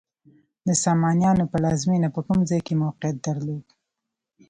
د سامانیانو پلازمینه په کوم ځای کې موقعیت درلود؟